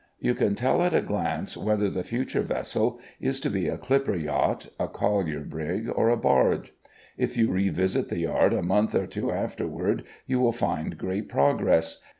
You can tell at a glance whether the future vessel is to be a clipper yacht, a collier brig, or a barge. If you revisit the yard a month or two afterward, you will find great progress.